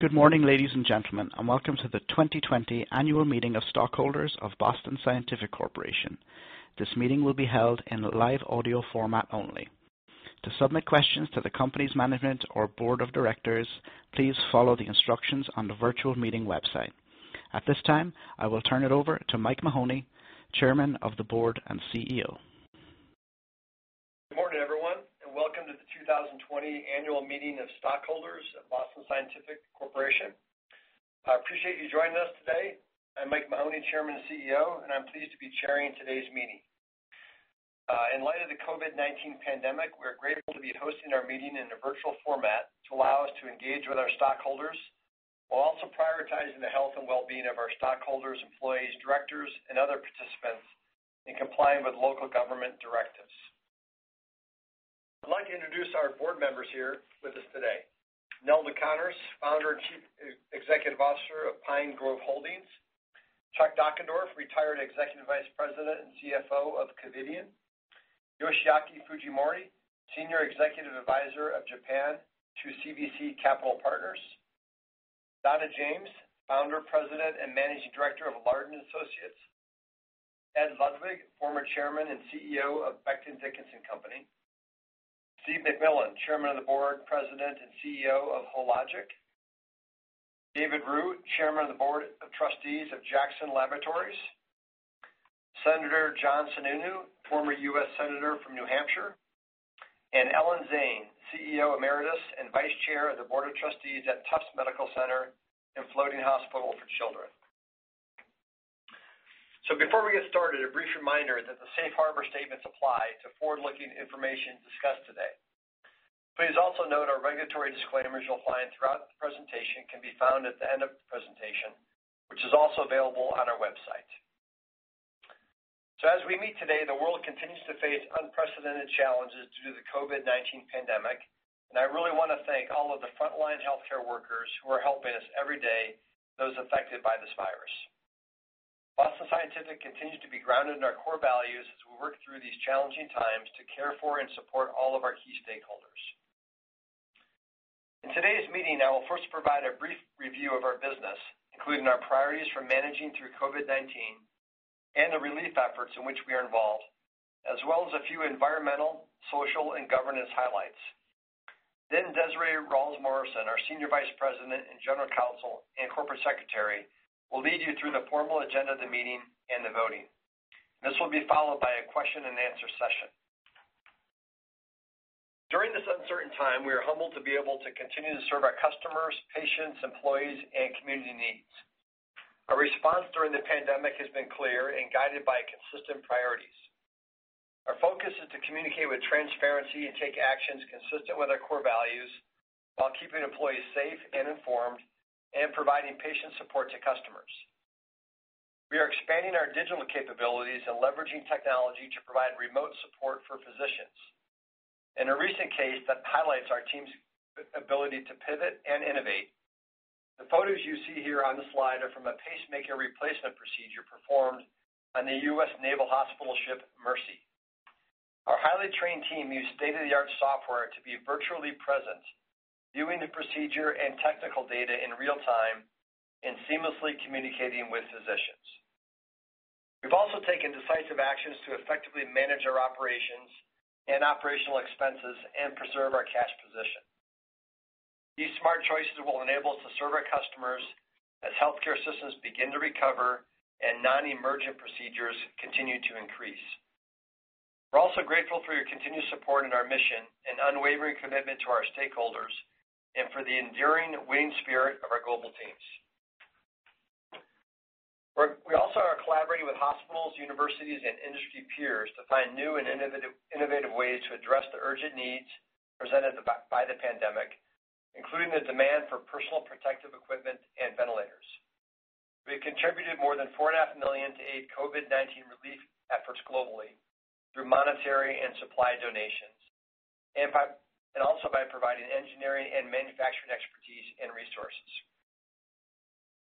Good morning, ladies and gentlemen, and welcome to the 2020 annual meeting of stockholders of Boston Scientific Corporation. This meeting will be held in live audio format only. To submit questions to the company's management or Board of Directors, please follow the instructions on the virtual meeting website. At this time, I will turn it over to Mike Mahoney, Chairman of the Board and CEO. Good morning, everyone, welcome to the 2020 annual meeting of stockholders of Boston Scientific Corporation. I appreciate you joining us today. I'm Mike Mahoney, Chairman and CEO, and I'm pleased to be chairing today's meeting. In light of the COVID-19 pandemic, we're grateful to be hosting our meeting in a virtual format to allow us to engage with our stockholders, while also prioritizing the health and well-being of our stockholders, employees, directors, and other participants in complying with local government directives. I'd like to introduce our board members here with us today. Nelda Connors, Founder and Chief Executive Officer of Pine Grove Holdings. Chuck Dockendorff, Retired Executive Vice President and CFO of Covidien. Yoshiaki Fujimori, Senior Executive Advisor of Japan to CVC Capital Partners. Donna James, Founder, President, and Managing Director of Lardon & Associates. Ed Ludwig, Former Chairman and CEO of Becton, Dickinson and Company. Steve MacMillan, Chairman of the Board, President, and CEO of Hologic. David Roux, Chairman of the Board of Trustees of The Jackson Laboratory. Senator John Sununu, former U.S. senator from New Hampshire. Ellen Zane, CEO Emeritus and Vice Chair of the Board of Trustees at Tufts Medical Center and Floating Hospital for Children. Before we get started, a brief reminder that the safe harbor statements apply to forward-looking information discussed today. Please also note our regulatory disclaimers will apply throughout the presentation, can be found at the end of the presentation, which is also available on our website. As we meet today, the world continues to face unprecedented challenges due to the COVID-19 pandemic, and I really want to thank all of the frontline healthcare workers who are helping us every day, those affected by this virus. Boston Scientific continues to be grounded in our core values as we work through these challenging times to care for and support all of our key stakeholders. In today's meeting, I will first provide a brief review of our business, including our priorities for managing through COVID-19 and the relief efforts in which we are involved, as well as a few environmental, social, and governance highlights. Desiree Ralls-Morrison, our Senior Vice President and General Counsel and Corporate Secretary, will lead you through the formal agenda of the meeting and the voting. This will be followed by a question and answer session. During this uncertain time, we are humbled to be able to continue to serve our customers, patients, employees, and community needs. Our response during the pandemic has been clear and guided by consistent priorities. Our focus is to communicate with transparency and take actions consistent with our core values while keeping employees safe and informed and providing patient support to customers. We are expanding our digital capabilities and leveraging technology to provide remote support for physicians. In a recent case that highlights our team's ability to pivot and innovate, the photos you see here on the slide are from a pacemaker replacement procedure performed on the US Naval Hospital Ship Mercy. Our highly trained team used state-of-the-art software to be virtually present, viewing the procedure and technical data in real time and seamlessly communicating with physicians. We've also taken decisive actions to effectively manage our operations and operational expenses and preserve our cash position. These smart choices will enable us to serve our customers as healthcare systems begin to recover and non-emergent procedures continue to increase. We're also grateful for your continued support in our mission and unwavering commitment to our stakeholders, and for the enduring winning spirit of our global teams. We also are collaborating with hospitals, universities, and industry peers to find new and innovative ways to address the urgent needs presented by the pandemic, including the demand for personal protective equipment and ventilators. We have contributed more than four and a half million to aid COVID-19 relief efforts globally through monetary and supply donations, and also by providing engineering and manufacturing expertise and resources.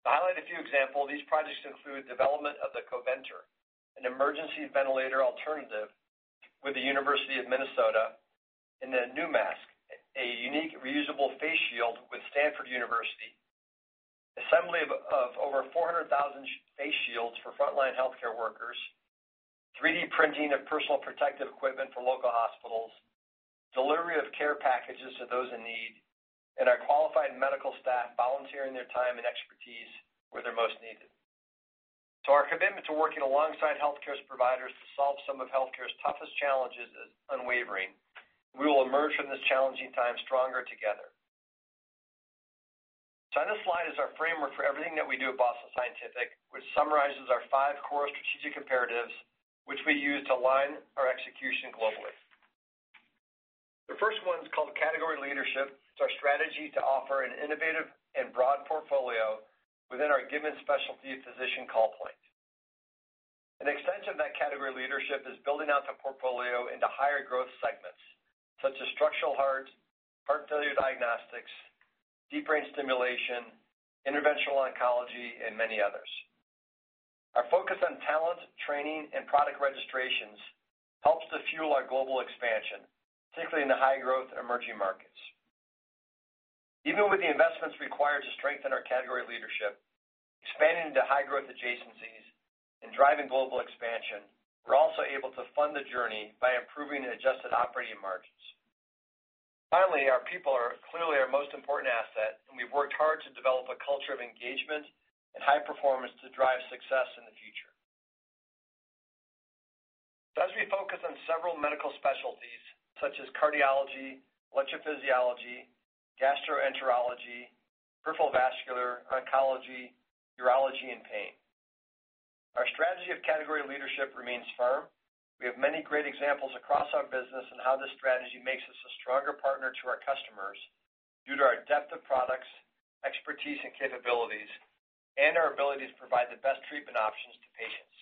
To highlight a few examples, these projects include development of the COVVENTOR, an emergency ventilator alternative with the University of Minnesota, and then NuMask, a unique reusable face shield with Stanford University. Assembly of over 400,000 face shields for frontline healthcare workers. 3D printing of personal protective equipment for local hospitals. Delivery of care packages to those in need, our qualified medical staff volunteering their time and expertise where they're most needed. Our commitment to working alongside healthcare providers to solve some of healthcare's toughest challenges is unwavering. We will emerge from this challenging time stronger together. On this slide is our framework for everything that we do at Boston Scientific, which summarizes our five core Strategic Imperatives, which we use to align our execution globally. The first one is called Category Leadership. It's our strategy to offer an innovative and broad portfolio within our given specialty physician call point. An extension of that category leadership is building out the portfolio into higher growth segments such as structural heart failure diagnostics, deep brain stimulation, interventional oncology, and many others. Our focus on talent, training, and product registrations helps to fuel our global expansion, particularly in the high-growth and emerging markets. Even with the investments required to strengthen our category leadership, expanding into high-growth adjacencies and driving global expansion, we're also able to fund the journey by improving the adjusted operating margins. Finally, our people are clearly our most important asset, and we've worked hard to develop a culture of engagement and high performance to drive success in the future. As we focus on several medical specialties such as cardiology, electrophysiology, gastroenterology, peripheral vascular, oncology, urology, and pain, our strategy of category leadership remains firm. We have many great examples across our business on how this strategy makes us a stronger partner to our customers due to our depth of products, expertise, and capabilities, and our ability to provide the best treatment options to patients.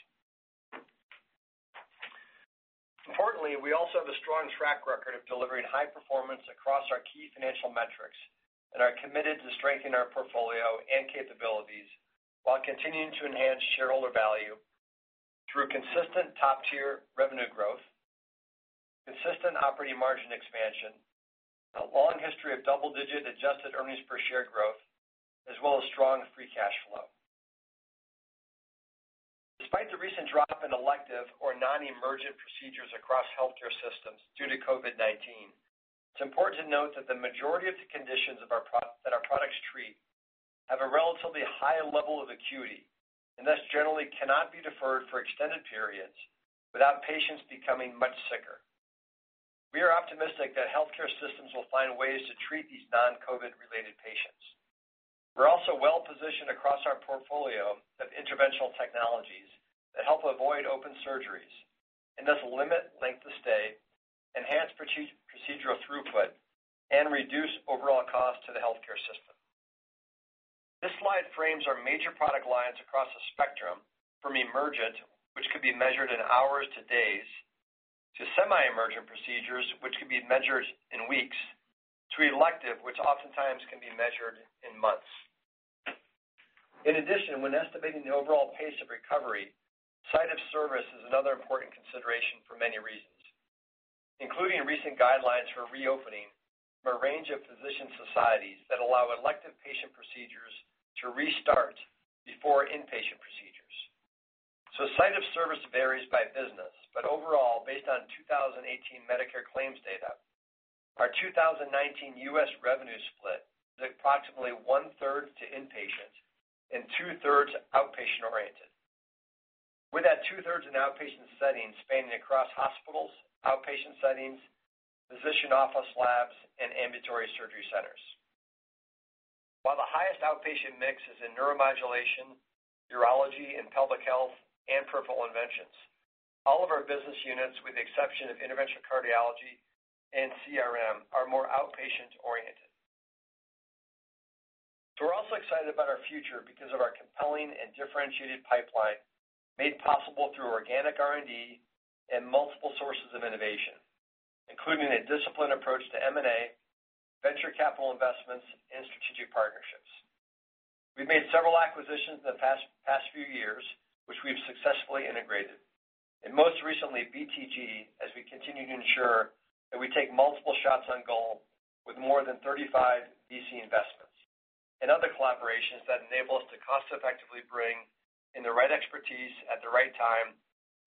Importantly, we also have a strong track record of delivering high performance across our key financial metrics and are committed to strengthening our portfolio and capabilities while continuing to enhance shareholder value through consistent top-tier revenue growth, consistent operating margin expansion, a long history of double-digit adjusted earnings per share growth, as well as strong free cash flow. Despite the recent drop in elective or non-emergent procedures across healthcare systems due to COVID-19, it's important to note that the majority of the conditions that our products treat have a relatively high level of acuity and thus generally cannot be deferred for extended periods without patients becoming much sicker. We are optimistic that healthcare systems will find ways to treat these non-COVID-19 related patients. We're also well-positioned across our portfolio of interventional technologies that help avoid open surgeries and thus limit length of stay, enhance procedural throughput, and reduce overall cost to the healthcare system. This slide frames our major product lines across the spectrum from emergent, which could be measured in hours to days, to semi-emergent procedures, which could be measured in weeks, to elective, which oftentimes can be measured in months. In addition, when estimating the overall pace of recovery, site of service is another important consideration for many reasons, including recent guidelines for reopening a range of physician societies that allow elective patient procedures to restart before inpatient procedures. Site of service varies by business, but overall, based on 2018 Medicare claims data, our 2019 U.S. revenue split is approximately one-third to inpatient and two-thirds outpatient oriented. With that two-thirds in outpatient settings spanning across hospitals, outpatient settings, physician office labs, and ambulatory surgery centers. While the highest outpatient mix is in neuromodulation, urology, and pelvic health, and peripheral interventions, all of our business units, with the exception of interventional cardiology and CRM, are more outpatient oriented. We're also excited about our future because of our compelling and differentiated pipeline, made possible through organic R&D and multiple sources of innovation, including a disciplined approach to M&A, venture capital investments, and strategic partnerships. We've made several acquisitions in the past few years, which we've successfully integrated, and most recently BTG, as we continue to ensure that we take multiple shots on goal with more than 35 VC investments and other collaborations that enable us to cost-effectively bring in the right expertise at the right time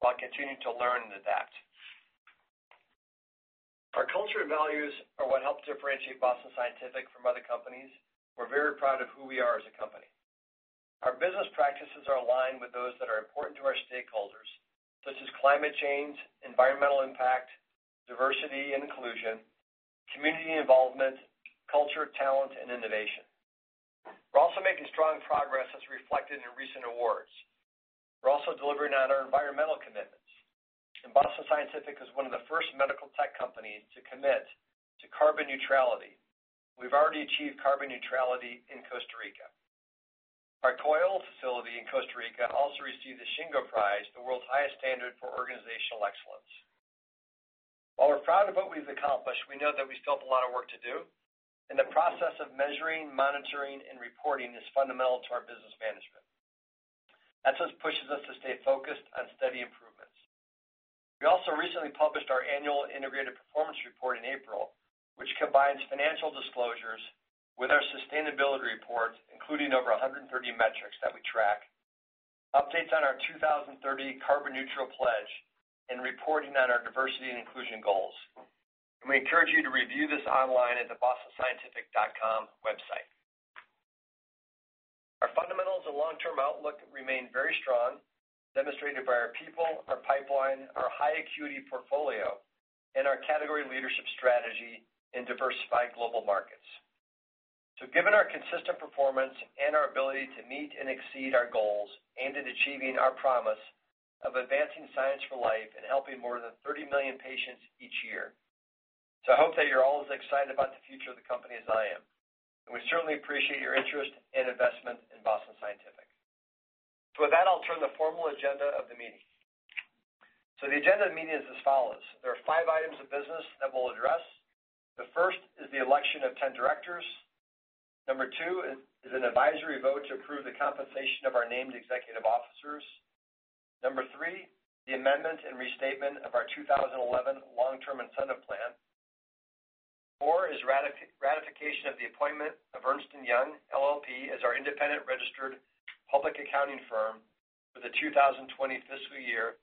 while continuing to learn and adapt. Our culture and values are what help differentiate Boston Scientific from other companies. We're very proud of who we are as a company. Our business practices are aligned with those that are important to our stakeholders, such as climate change, environmental impact, diversity and inclusion, community involvement, culture, talent, and innovation. We're also making strong progress as reflected in recent awards. We're also delivering on our environmental commitments. Boston Scientific is one of the first medical tech companies to commit to carbon neutrality. We've already achieved carbon neutrality in Coyol. Our Coyol facility in Costa Rica also received the Shingo Prize, the world's highest standard for organizational excellence. While we're proud of what we've accomplished, we know that we still have a lot of work to do, the process of measuring, monitoring, and reporting is fundamental to our business management. That's what pushes us to stay focused on steady improvements. We also recently published our annual integrated performance report in April, which combines financial disclosures with our sustainability report, including over 130 metrics that we track, updates on our 2030 carbon neutral pledge, and reporting on our diversity and inclusion goals. We encourage you to review this online at the bostonscientific.com website. Our fundamentals and long-term outlook remain very strong, demonstrated by our people, our pipeline, our high acuity portfolio, and our category leadership strategy in diversified global markets. Given our consistent performance and our ability to meet and exceed our goals aimed at achieving our promise of advancing science for life and helping more than 30 million patients each year. I hope that you're all as excited about the future of the company as I am, and we certainly appreciate your interest and investment in Boston Scientific. With that, I'll turn the formal agenda of the meeting. The agenda of the meeting is as follows. There are five items of business that we'll address. The first is the election of 10 directors. Number two is an advisory vote to approve the compensation of our named executive officers. Number three, the amendment and restatement of our 2011 Long-Term Incentive Plan. Four is ratification of the appointment of Ernst & Young LLP as our independent registered public accounting firm for the 2020 fiscal year.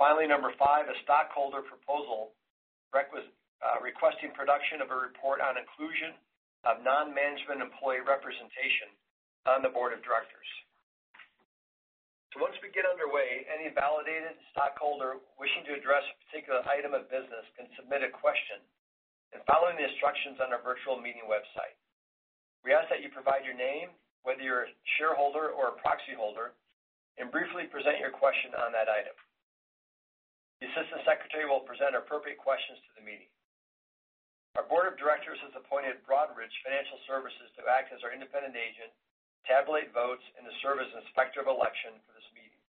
Finally, number five, a stockholder proposal requesting production of a report on inclusion of non-management employee representation on the Board of Directors. Once we get underway, any validated stockholder wishing to address a particular item of business can submit a question and follow the instructions on our virtual meeting website. We ask that you provide your name, whether you're a shareholder or a proxy holder, and briefly present your question on that item. The Assistant Secretary will present appropriate questions to the meeting. Our Board of Directors has appointed Broadridge Financial Services to act as our independent agent, tabulate votes, and to serve as Inspector of Election for this meeting.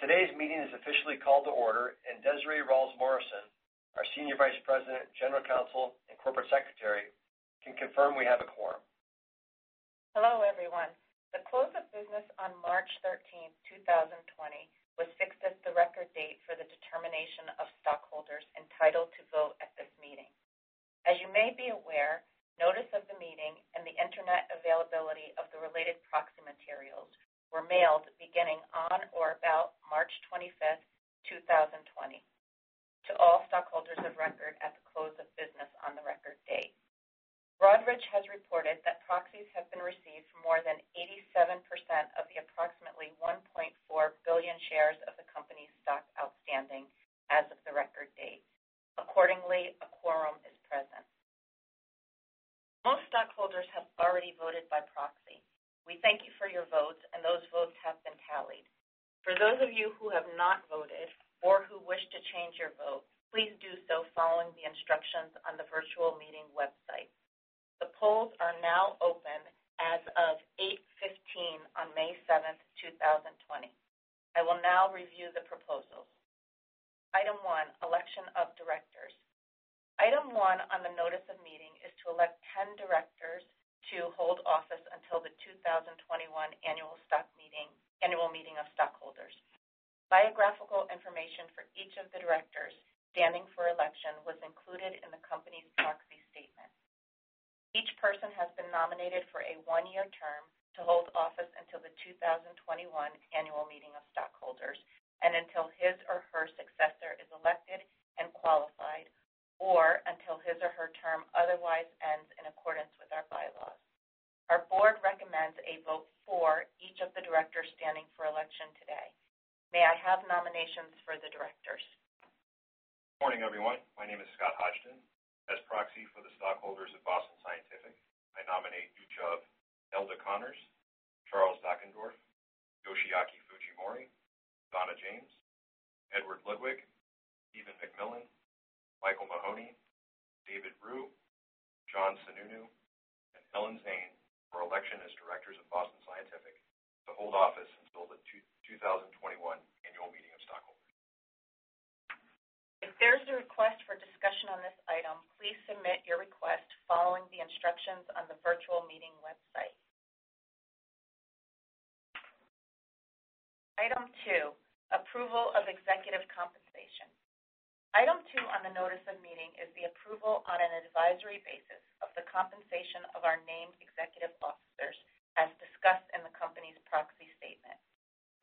Today's meeting is officially called to order, and Desiree Ralls-Morrison, our Senior Vice President, General Counsel, and Corporate Secretary, can confirm we have a quorum. Hello, everyone. The close of business on March 13th, 2020, was fixed as the record date for the determination of stockholders entitled to vote at this meeting. As you may be aware, notice of the meeting and the internet availability of the related proxy materials were mailed beginning on or about March 25th, 2020, to all stockholders of record at the close of business on the record date. Broadridge has reported that proxies have been received for more than 87% of the approximately 1.4 billion shares of the company's stock outstanding as of the record date. Accordingly, a quorum is present. Most stockholders have already voted by proxy. We thank you for your votes, and those votes have been tallied. For those of you who have not voted or who wish to change your vote, please do so following the instructions on the virtual meeting website. The polls are now open as of 8:15 on May 7th, 2020. I will now review the proposals. Item 1, election of directors. Item 1 on the notice of meeting is to elect 10 directors to hold office until the 2021 annual meeting of stockholders. Biographical information for each of the directors standing for election was included in the company's proxy statement. Each person has been nominated for a one-year term to hold office until the 2021 annual meeting of stockholders and until his or her successor is elected and qualified, or until his or her term otherwise ends in accordance with our bylaws. Our board recommends a vote for each of the directors standing for election today. May I have nominations for the directors? Morning, everyone. My name is Scott Hodgin. As proxy for the stockholders of Boston Scientific, I nominate Nelda Connors, Charles Dockendorff, Yoshiaki Fujimori, Donna James, Edward Ludwig, Steve MacMillan, Mike Mahoney, David Roux, John Sununu, and Ellen Zane for election as directors of Boston Scientific to hold office until the 2021 annual meeting of stockholders. If there is a request for discussion on this item, please submit your request following the instructions on the virtual meeting website. Item two, approval of executive compensation. Item two on the notice of meeting is the approval on an advisory basis of the compensation of our named executive officers, as discussed in the company's proxy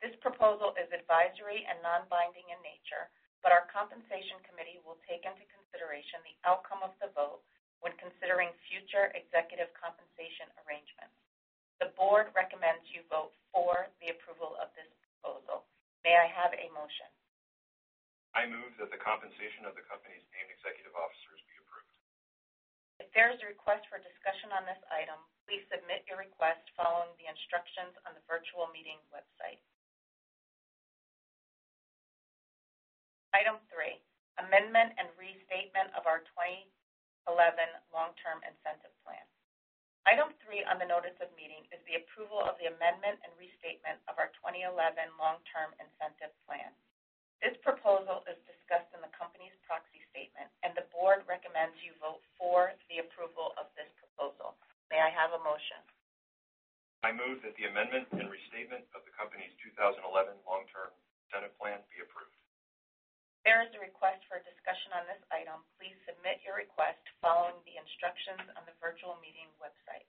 statement. This proposal is advisory and non-binding in nature, but our compensation committee will take into consideration the outcome of the vote when considering future executive compensation arrangements. The board recommends you vote for the approval of this proposal. May I have a motion? I move that the compensation of the company's named executive officers be approved. If there is a request for discussion on this item, please submit your request following the instructions on the virtual meeting website. Item three, amendment and restatement of our 2011 Long-Term Incentive Plan. Item three on the notice of meeting is the approval of the amendment and restatement of our 2011 Long-Term Incentive Plan. This proposal is discussed in the company's proxy statement, and the board recommends you vote for the approval of this proposal. May I have a motion? I move that the amendment and restatement of the company's 2011 Long-Term Incentive Plan be approved. If there is a request for discussion on this item, please submit your request following the instructions on the virtual meeting website.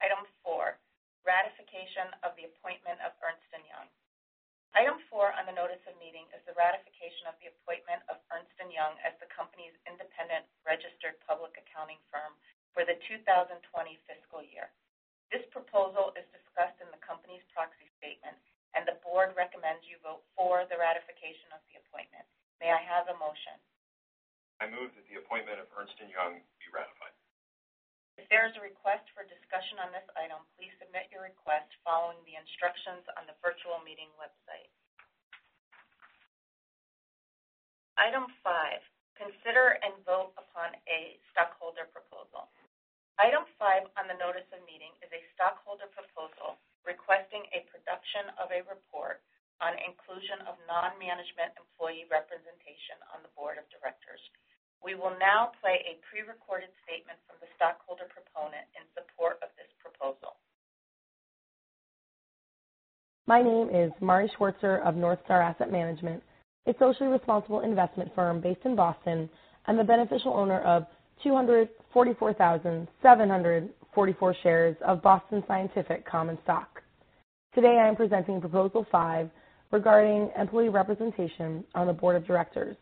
Item four, ratification of the appointment of Ernst & Young. Item four on the notice of meeting is the ratification of the appointment of Ernst & Young as the company's independent registered public accounting firm for the 2020 fiscal year. This proposal is discussed in the company's proxy statement, and the board recommends you vote for the ratification of the appointment. May I have a motion? I move that the appointment of Ernst & Young be ratified. If there is a request for discussion on this item, please submit your request following the instructions on the virtual meeting website. Item 5, consider and vote upon a stockholder proposal. Item 5 on the notice of meeting is a stockholder proposal requesting a production of a report on inclusion of non-management employee representation on the board of directors. We will now play a pre-recorded statement from the stockholder proponent in support of this proposal. My name is Mari Schwartzer of NorthStar Asset Management, a socially responsible investment firm based in Boston. I'm the beneficial owner of 244,744 shares of Boston Scientific common stock. Today, I am presenting Proposal five regarding employee representation on the board of directors.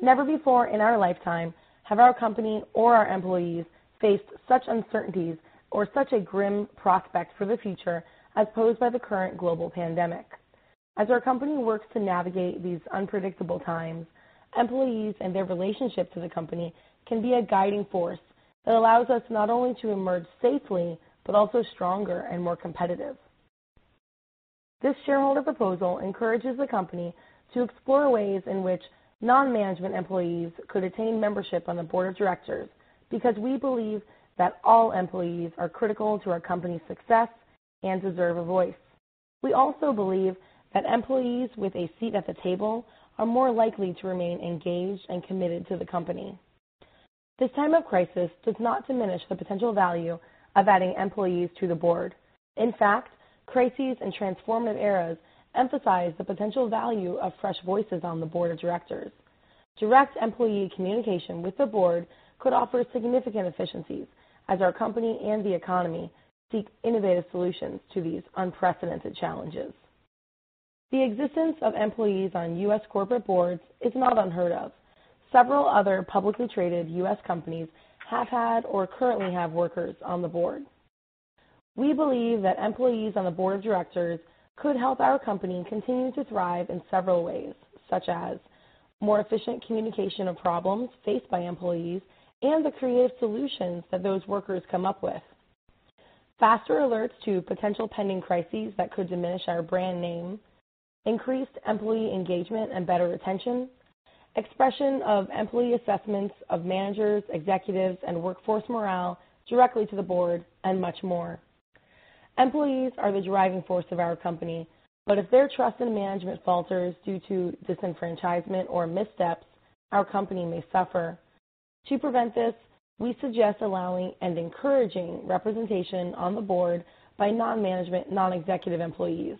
Never before in our lifetime have our company or our employees faced such uncertainties or such a grim prospect for the future as posed by the current global pandemic. As our company works to navigate these unpredictable times, employees and their relationship to the company can be a guiding force that allows us not only to emerge safely but also stronger and more competitive. This shareholder proposal encourages the company to explore ways in which non-management employees could attain membership on the board of directors because we believe that all employees are critical to our company's success and deserve a voice. We also believe that employees with a seat at the table are more likely to remain engaged and committed to the company. This time of crisis does not diminish the potential value of adding employees to the board. In fact, crises and transformative eras emphasize the potential value of fresh voices on the board of directors. Direct employee communication with the board could offer significant efficiencies as our company and the economy seek innovative solutions to these unprecedented challenges. The existence of employees on U.S. corporate boards is not unheard of. Several other publicly traded U.S. companies have had or currently have workers on the board. We believe that employees on the board of directors could help our company continue to thrive in several ways, such as more efficient communication of problems faced by employees and the creative solutions that those workers come up with. Faster alerts to potential pending crises that could diminish our brand name, increased employee engagement and better retention, expression of employee assessments of managers, executives, and workforce morale directly to the board, and much more. Employees are the driving force of our company, but if their trust in management falters due to disenfranchisement or missteps, our company may suffer. To prevent this, we suggest allowing and encouraging representation on the board by non-management, non-executive employees.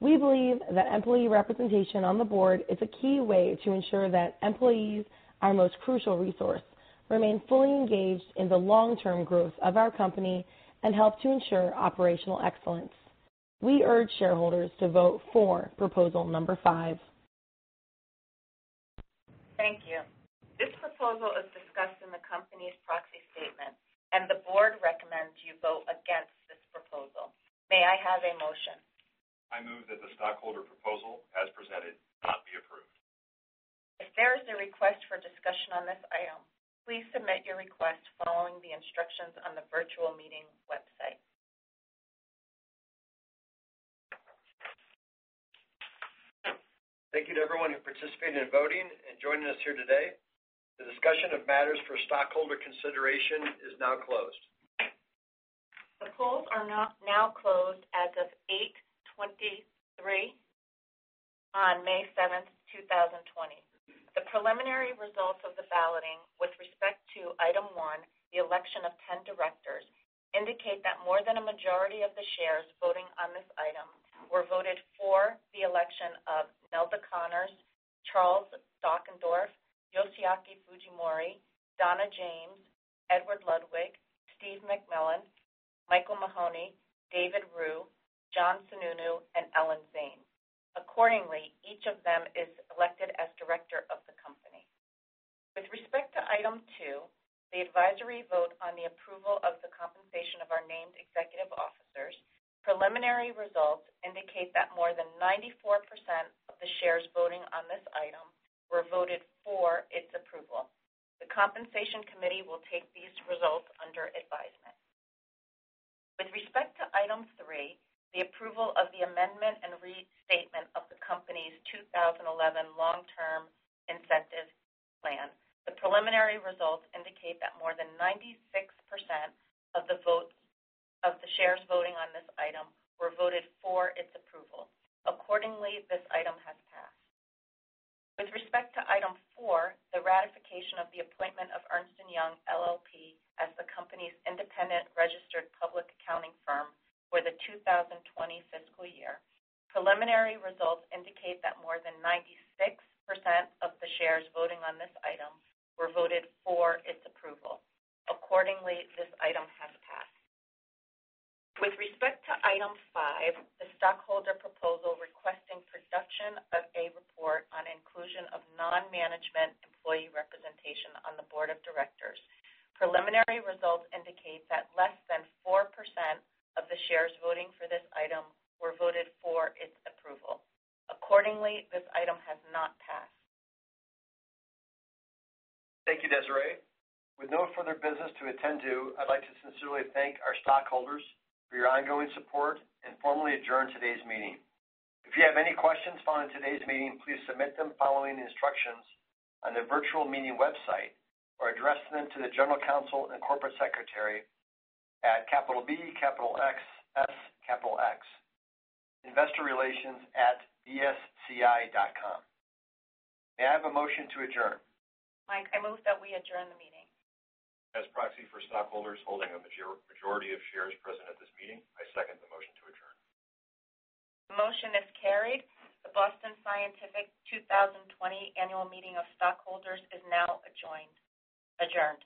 We believe that employee representation on the board is a key way to ensure that employees, our most crucial resource, remain fully engaged in the long-term growth of our company and help to ensure operational excellence. We urge shareholders to vote for proposal number five. Thank you. This proposal is discussed in the company's proxy statement. The board recommends you vote against this proposal. May I have a motion? I move that the stockholder proposal, as presented, not be approved. If there is a request for discussion on this item, please submit your request following the instructions on the virtual meeting website. Thank you to everyone who participated in voting and joining us here today. The discussion of matters for stockholder consideration is now closed. The polls are now closed as of 8:23 on May 7, 2020. The preliminary results of the balloting with respect to item one, the election of 10 directors, indicate that more than a majority of the shares voting on this item were voted for the election of Nelda Connors, Charles Dockendorff, Yoshiaki Fujimori, Donna James, Edward Ludwig, Steve MacMillan, Mike Mahoney, David Roux, John Sununu, and Ellen Zane. Accordingly, each of them is elected as director of the company. With respect to item two, the advisory vote on the approval of the compensation of our named executive officers, preliminary results indicate that more than 94% of the shares voting on this item were voted for its approval. The Compensation Committee will take these results under advisement. With respect to item three, the approval of the amendment and restatement of the company's 2011 Long-Term Incentive Plan, the preliminary results indicate that more than 96% of the shares voting on this item were voted for its approval. Accordingly, this item has passed. With respect to item four, the ratification of the appointment of Ernst & Young LLP as the company's independent registered public accounting firm for the 2020 fiscal year, preliminary results indicate that more than 96% of the shares voting on this item were voted for its approval. Accordingly, this item has passed. With respect to item five, the stockholder proposal requesting production of a report on inclusion of non-management employee representation on the board of directors, preliminary results indicate that less than 4% of the shares voting for this item were voted for its approval. Accordingly, this item has not passed. Thank you, Desiree. With no further business to attend to, I'd like to sincerely thank our stockholders for your ongoing support and formally adjourn today's meeting. If you have any questions following today's meeting, please submit them following the instructions on the virtual meeting website, or address them to the General Counsel and Corporate Secretary at bxsxinvestorrelations@bsci.com. May I have a motion to adjourn? Mike, I move that we adjourn the meeting. As proxy for stockholders holding a majority of shares present at this meeting, I second the motion to adjourn. The motion is carried. The Boston Scientific 2020 annual meeting of stockholders is now adjourned.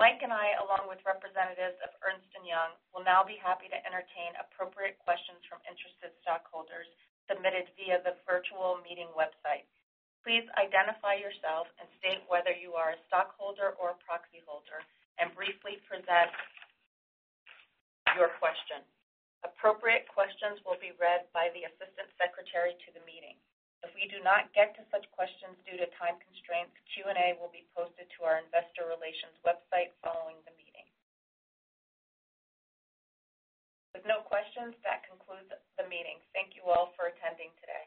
Mike and I, along with representatives of Ernst & Young, will now be happy to entertain appropriate questions from interested stockholders submitted via the virtual meeting website. Please identify yourself and state whether you are a stockholder or a proxy holder and briefly present your question. Appropriate questions will be read by the assistant secretary to the meeting. If we do not get to such questions due to time constraints, the Q&A will be posted to our investor relations website following the meeting. With no questions, that concludes the meeting. Thank you all for attending today.